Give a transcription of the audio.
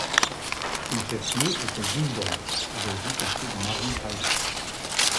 Son chef-lieu était Gimborn, aujourd'hui quartier de Marienheide.